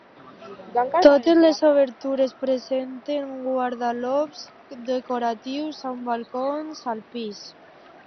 Totes les obertures presenten guardapols decoratius, amb balcons al pis.